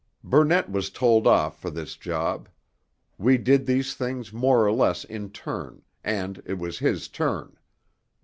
Burnett was told off for this job; we took these things more or less in turn, and it was his turn.